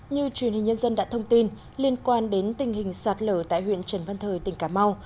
như truyền hình nhân dân đã thông tin liên quan đến tình hình sạt lở tại huyện trần văn thời tỉnh cà mau